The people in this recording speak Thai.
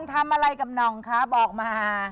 ทำอะไรกับหน่องคะบอกมา